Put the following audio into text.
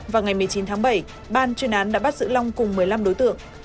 vào ngày một mươi chín tháng bảy ban chuyên án đã bắt giữ long cùng một mươi năm đối tượng